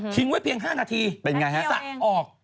ทิ้งไว้เพียง๕นาทีสระออก